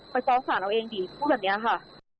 ฟ้องศาลเอาเองดิพูดแบบนี้ค่ะ